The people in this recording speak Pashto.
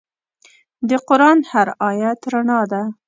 د قرآن هر آیت رڼا ده.